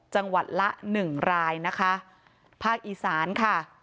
จังหวัดละหนึ่งรายนะคะภาคอีสานค่ะ